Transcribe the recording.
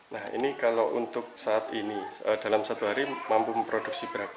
nah ini kalau untuk saat ini dalam satu hari mampu memproduksi berapa